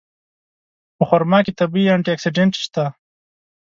په خرما کې طبیعي انټي اکسېډنټ شته.